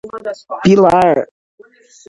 Pilar